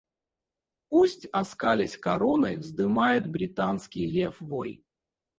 Пусть, оскалясь короной, вздымает британский лев вой.